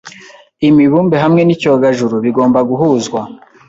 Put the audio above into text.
imibumbe hamwe n’icyogajuru bigomba guhuzwa